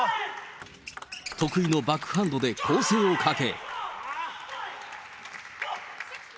得意のバックハンドで攻勢をかけ。